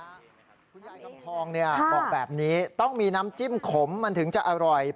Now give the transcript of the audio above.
คุณยายกับทองนี่บอกแบบนี้ต้องมีน้ำจิ้มขมมันถึงจะอร่อยค่ะค่ะค่ะ